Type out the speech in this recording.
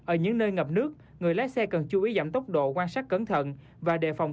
ở những nơi ngập nước người lái xe cần chú ý giảm tốc độ quan sát cẩn thận